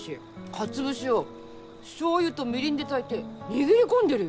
かつ節をしょうゆとみりんで炊いて握り込んでるよ！